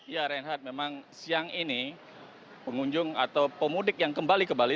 ya reinhardt memang siang ini pengunjung atau pemudik yang kembali ke bali